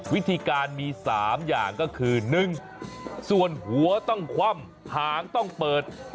วิธีการมี๓อย่างก็คือ๑ส่วนหัวต้องคว่ำหางต้องเปิด